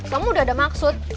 kamu udah ada maksud